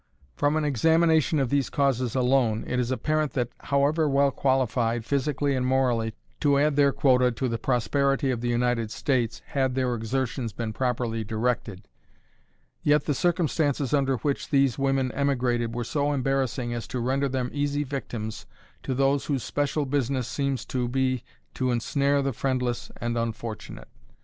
From an examination of these causes alone, it is apparent that, however well qualified, physically and morally, to add their quota to the prosperity of the United States, had their exertions been properly directed, yet the circumstances under which these women emigrated were so embarrassing as to render them easy victims to those whose special business seems to be to ensnare the friendless and unfortunate.